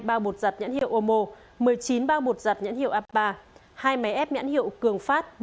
một trăm một mươi hai bao bột giặt nhãn hiệu omo một mươi chín bao bột giặt nhãn hiệu abba hai máy ép nhãn hiệu cường phát